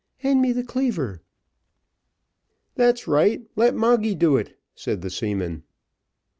Hand me the cleaver." "That's right, let Moggy do it," said the seamen.